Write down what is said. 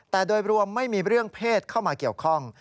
แต่โดยรวมไม่มีเรื่องเพศเข้ามาเกี่ยวข้อง